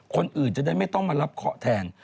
คนอื่นจะได้ไม่ต้องมารับเคาะแทน